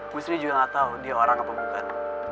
gue sendiri juga gak tau dia orang apa bukan